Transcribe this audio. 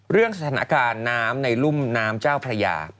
เรื่องสถานการณ์น้ำในรุ่มน้ำเจ้าพระยา